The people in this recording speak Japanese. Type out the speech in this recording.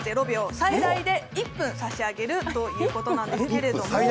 最大で１分差し上げるということなんです。